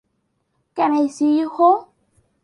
Can I see you home?